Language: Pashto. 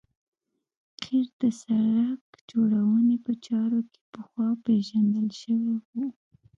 قیر د سرک جوړونې په چارو کې پخوا پیژندل شوی و